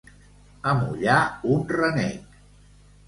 Amollar un renec.